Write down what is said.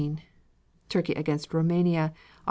Turkey against Roumania, Aug.